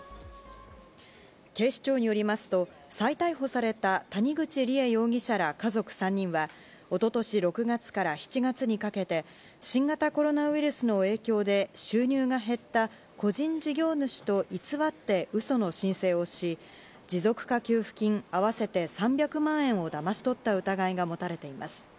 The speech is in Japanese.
警視庁によりますと、再逮捕された谷口梨恵容疑者ら家族３人は、おととし６月から７月にかけて、新型コロナウイルスの影響で収入が減った個人事業主と偽ってうその申請をし、持続化給付金合わせて３００万円をだまし取った疑いが持たれています。